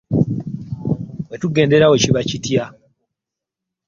Bwe tugendera awo kiba kitya?